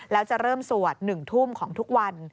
แล้วจะเริ่มสวด๑ทุ่มของทุกวัน